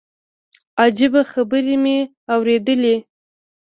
عجيبه خبرې مې اورېدلې.